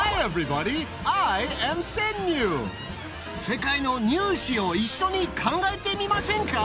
世界の入試を一緒に考えてみませんか？